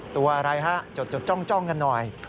ตัวอะไรฮะจดจ้องกันหน่อย